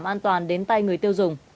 và đảm an toàn đến tay người tiêu dùng